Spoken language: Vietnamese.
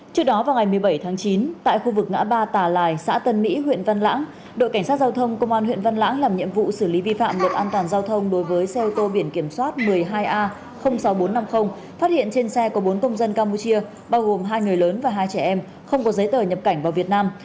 trước đó vào ngày một mươi bảy tháng chín tại khu vực ngã ba tà lài xã tân mỹ huyện văn lãng đội cảnh sát giao thông công an huyện văn lãng làm nhiệm vụ xử lý vi phạm luật an toàn giao thông đối với xe ô tô biển kiểm soát một mươi hai a sáu nghìn bốn trăm năm mươi phát hiện trên xe có bốn công dân campuchia bao gồm hai người lớn và hai trẻ em không có giấy tờ nhập cảnh vào việt nam